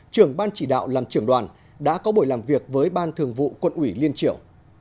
trưởng ban chỉ đạo làm trưởng đoàn đã có buổi làm việc với ban thường vụ quận ủy liên triểu